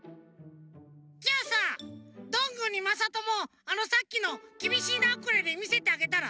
じゃあさどんぐーにまさともあのさっきの「きびしいなウクレレ」みせてあげたら？